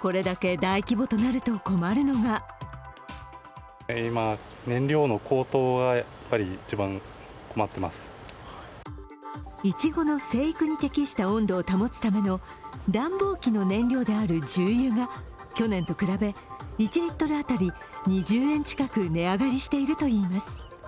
これだけ大規模となると困るのがいちごの生育に適した温度を保つための暖房機の燃料である重油が去年と比べ１リットル当たり２０円近く値上がりしているといいます。